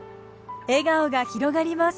笑顔が広がります。